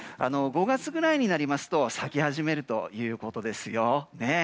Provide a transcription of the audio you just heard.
５月ぐらいになりますと咲き始めるということですよ。